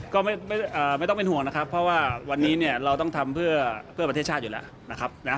ก็ไม่ต้องเป็นห่วงนะครับเพราะว่าวันนี้เนี่ยเราต้องทำเพื่อประเทศชาติอยู่แล้วนะครับนะ